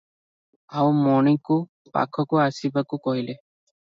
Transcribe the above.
ଆଉ ମଣିକୁ ପାଖକୁ ଆସିବାକୁ କହିଲେ ।